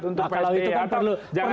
kalau itu kan perlu penelitian lebih jauh